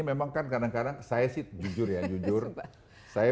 sekolah lastekan yang terkenal di tahun pembesaran